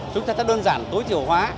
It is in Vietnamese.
chúng ta sẽ đơn giản tối tiểu hóa